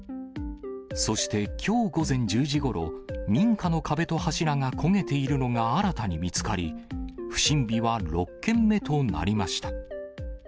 そして、きょう午前１０時ごろ、民家の壁と柱が焦げているのが新たに見つかり、不審火は６件目となりました。